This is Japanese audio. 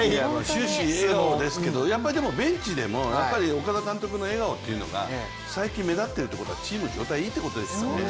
終始笑顔ですけど、ベンチでもやっぱり岡田監督の笑顔というのが最近目立ってるってことはチームの状態がいいってことですよね。